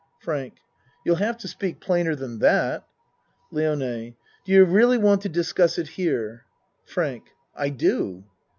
FRANK You'll have to speak plainer than that. LIONE Do you really want to discuss it here? FRANK I do.